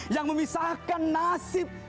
yang memisahkan nasib